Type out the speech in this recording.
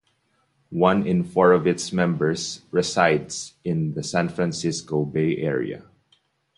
One in four of its members resides in the San Francisco Bay Area.